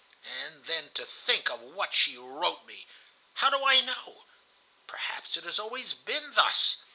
And then to think of what she wrote me! And how do I know? Perhaps it has always been thus.